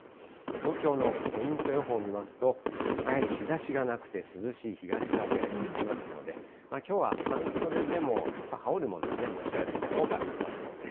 東京のポイント予報を見ますと、やはり日ざしがなくて、涼しい東風吹きますので、きょうは半袖でも、ちょっと羽織るものを持ち歩いたほうがよさそうです。